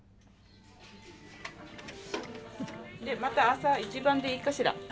また朝一番でいいかしら？